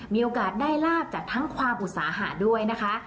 มีโอกาสได้ลาบจากทั้งความอุตสาหะด้วยนะคะ